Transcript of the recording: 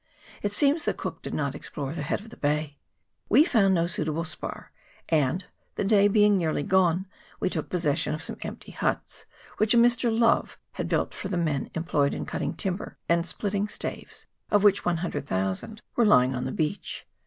It seems that Cook did not explore the head of the bay. We found no suitable spar, and, the day being nearly gone, we took posses sion of some empty huts, which a Mr. L/ove had built for the men employed in cutting timber, and splitting staves, of which 100,000 were lying on CHAP. V.] WEST BAY. 117 the beach.